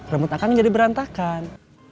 remut akang jadi berantakan